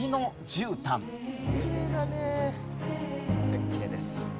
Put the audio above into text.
絶景です。